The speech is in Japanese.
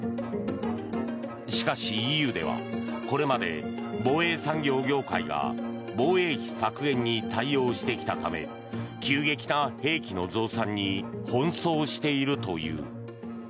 しかし、ＥＵではこれまで防衛産業業界が防衛費削減に対応してきたため急激な兵器の増産に奔走しているという。